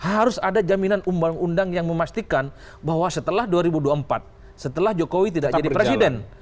harus ada jaminan undang undang yang memastikan bahwa setelah dua ribu dua puluh empat setelah jokowi tidak jadi presiden